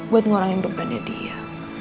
buat ngurangin beban ya dia